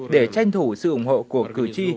để tranh thủ sự ủng hộ của cử tri